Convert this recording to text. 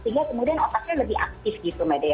jadi aktif gitu mbak dea